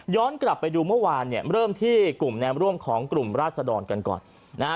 กลับไปดูเมื่อวานเนี่ยเริ่มที่กลุ่มแนมร่วมของกลุ่มราศดรกันก่อนนะฮะ